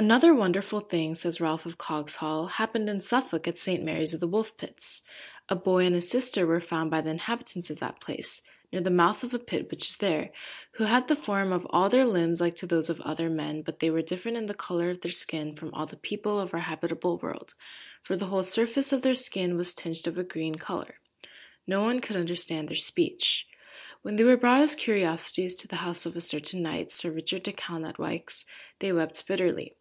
"Another wonderful thing," says Ralph of Coggeshall, "happened in Suffolk, at St. Mary's of the Wolf–pits. A boy and his sister were found by the inhabitants of that place near the mouth of a pit which is there, who had the form of all their limbs like to those of other men, but they were different in the colour of their skin from all the people of our habitable world, for the whole surface of their skin was tinged of a green colour. No one could understand their speech. When they were brought as curiosities to the house of a certain knight, Sir Richard de Calne, at Wikes, they wept bitterly.